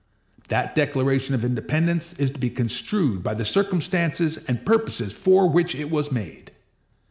That Declaration of Independence is to be construed by the circumstances and purposes for which it was made.